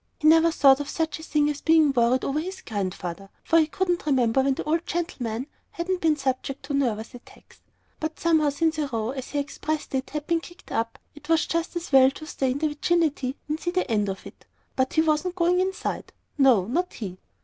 He never thought of such a thing as being worried over his Grandfather, for he couldn't remember when the old gentleman hadn't been subject to nervous attacks; but somehow since "a row," as he expressed it, "had been kicked up," it was just as well to stay in the vicinity and see the end of it. But he wasn't going inside no, not he!